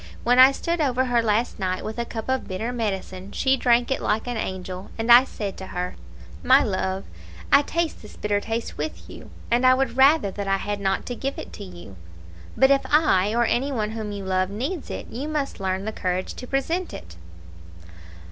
When I stood over her last night with a cup of bitter medicine she drank it like an angel, and I said to her, 'My love, I taste this bitter taste with you, and would rather that I had not to give it to you; but if I, or any one whom you love, needs it, you must learn the courage to present it.'